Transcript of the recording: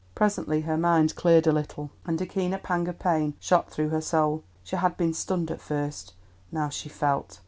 Presently her mind cleared a little, and a keener pang of pain shot through her soul. She had been stunned at first, now she felt.